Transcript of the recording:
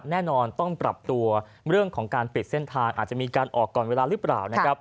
แน่นอนต้องปรับตัวเรื่องของการปิดเส้นทางอาจจะมีการออกก่อนเวลาหรือเปล่านะครับ